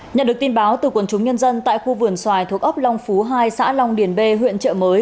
nhận được tin báo từ quần chúng nhân dân tại khu vườn xoài thuộc ấp long phú hai xã long điền b huyện trợ mới